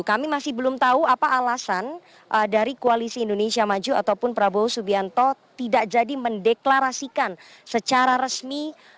kami masih belum tahu apa alasan dari koalisi indonesia maju ataupun prabowo subianto tidak jadi mendeklarasikan secara resmi